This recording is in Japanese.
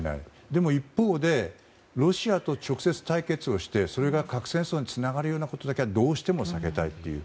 でも一方でロシアと直接対決をしてそれが核戦争につながるようなことだけはどうしても避けたいという。